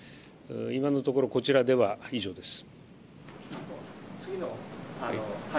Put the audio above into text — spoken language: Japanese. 今のところこちらでは以上です。